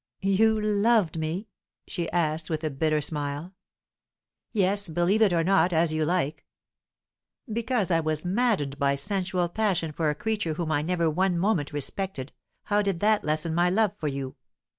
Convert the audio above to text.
"You loved me?" she asked, with a bitter smile. "Yes; believe it or not, as you like. Because I was maddened by sensual passion for a creature whom I never one moment respected, how did that lessen my love for you?